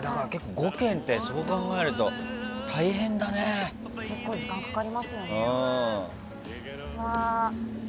５軒ってそう考えると結構時間かかりますよ。